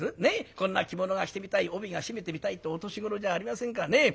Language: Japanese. こんな着物が着てみたい帯が締めてみたいってお年頃じゃありませんかね。